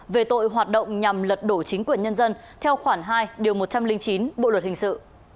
về tội hoạt động nhằm lật đổ chính quyền nhân dân theo khoản hai điều một trăm linh chín bộ luật hình sự